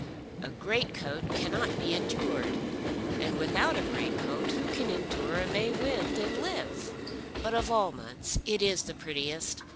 A greatcoat cannot be endured, and without a greatcoat who can endure a May wind and live? But of all months it is the prettiest.